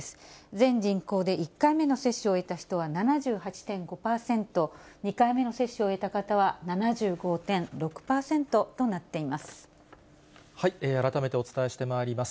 全人口で１回目の接種を終えた人は７８．５％、２回目の接種を終えた方は７５．６％となっています。